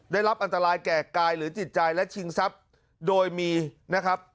ได้รับอันตรายแก่กายหรือจิตใจและชิงทรัพย์โดยมีนะครับ